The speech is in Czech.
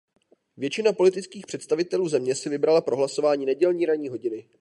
Většina politických představitelů země si vybrala pro hlasování nedělní ranní hodiny.